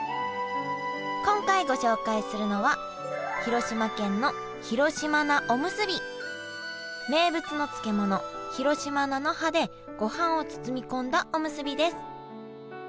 今回ご紹介するのは名物の漬物広島菜の葉でごはんを包み込んだおむすびです。